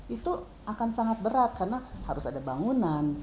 itu akan sangat berat karena harus ada bangunan